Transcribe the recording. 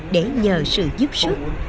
để nhờ sự giúp sức